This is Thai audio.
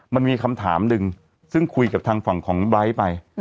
มันมีคำถามหนึ่งซึ่งคุยกับทางฝั่งของไบร์ทไป